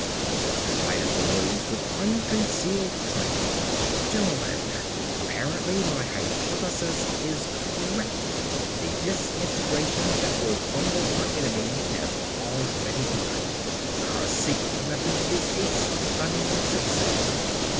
Dr. Titus arose with unconcealed triumph. "Gentlemen, apparently my hypothesis is correct. The disintegration that will crumble our enemies has already begun. Our secret weapon is a stunning success!"